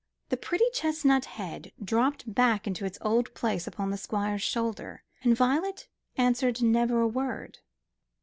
The pretty chestnut head dropped back into its old place upon the Squire's shoulder, and Violet answered never a word.